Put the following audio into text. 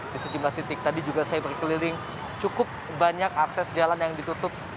di sejumlah titik tadi juga saya berkeliling cukup banyak akses jalan yang ditutup